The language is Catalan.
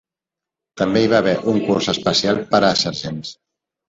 També hi va haver un curs especial per a sergents.